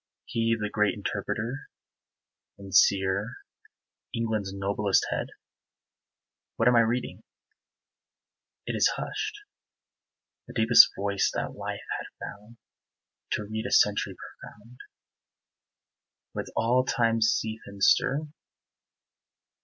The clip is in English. He the great interpreter And seer England's noblest head? What am I reading? It is hushed? The deepest voice that life had found To read a century profound With all time's seethe and stir?